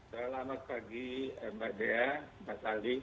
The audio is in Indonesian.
selamat pagi mbak dea mbak sali